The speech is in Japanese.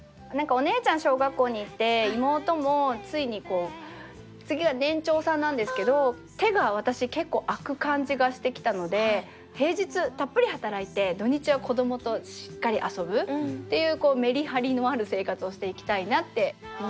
何かお姉ちゃん小学校に行って妹もついに次は年長さんなんですけど手が私結構空く感じがしてきたので平日たっぷり働いて土日は子供としっかり遊ぶっていうこうメリハリのある生活をしていきたいなって。